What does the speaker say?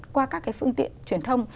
qua các cái phương tiện truyền thông